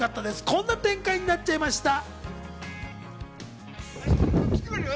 こんな展開になっちゃいました。